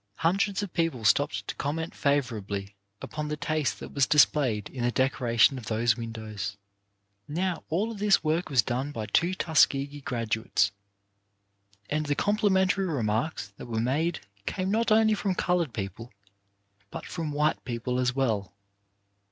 Hundreds of people stopped to comment favourably upon the taste that was displayed in the decoration of those windows. Now, all this work was done by two Tuskegee graduates. And the complimentary remarks that were made came not only from coloured people but from white people as well.